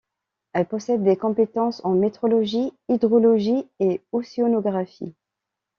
Elle possède des compétences en météorologie, hydrologie et océanographie.